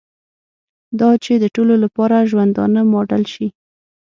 دا چې د ټولو لپاره ژوندانه ماډل شي.